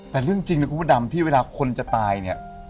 แต่เรื่องจริงนะคุณพระดำที่เวลาคนจะตายเนี่ย